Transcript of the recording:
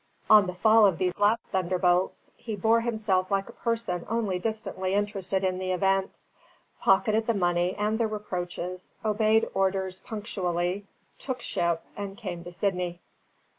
On the fall of these last thunderbolts, he bore himself like a person only distantly interested in the event; pocketed the money and the reproaches, obeyed orders punctually; took ship and came to Sydney.